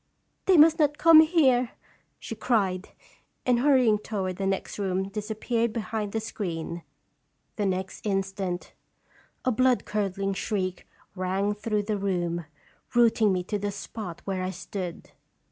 "They must not come here!" she cried, and hurrying toward the next room disappeared behind the screen. The next instant a blood curdling shriek rang through the room, rooting me to the spot where I stood.